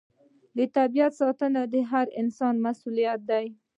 د طبیعت ساتنه د هر انسان مسوولیت دی.